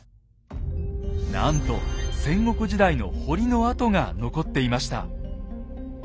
なんと戦国時代の堀の跡が残っていました。